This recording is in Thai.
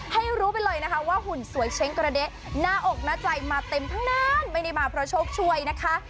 ให้รู้ไปเลยนะคะว่าหุ่นสวยเช้งกระเด๊ะหน้าอกหน้าใจมาเต็มทั้งนั้นไม่ได้มาเพราะโชคช่วยนะคะ